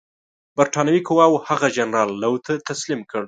برټانوي قواوو هغه جنرال لو ته تسلیم کړ.